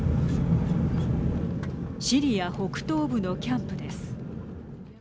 シリア北東部のキャンプです。